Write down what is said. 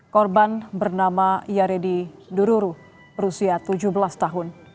korban bernama yaredi dururu berusia tujuh belas tahun